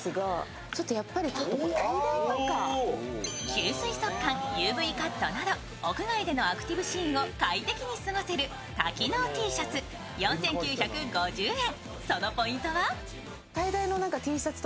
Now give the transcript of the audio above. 吸水速乾ＵＶカットなど屋外でのアクティブシーンを快適に過ごせる多機能Ｔシャツ４９５０円。